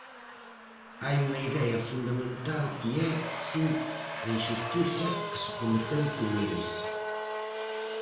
Hai unha idea fundamental que é, si, a inxustiza que se cometeu con eles.